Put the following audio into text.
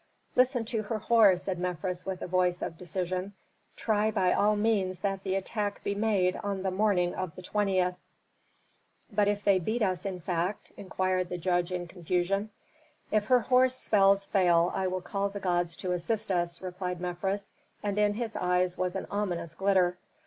"Listen to Herhor," said Mefres with a voice of decision; "try by all means that the attack be made on the morning of the 20th." "But if they beat us in fact?" inquired the judge in confusion. "If Herhor's spells fail I will call the gods to assist us," replied Mefres, and in his eyes was an ominous glitter.